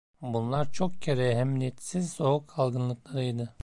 Bunlar çok kere ehemmiyetsiz soğuk algınlıklarıydı.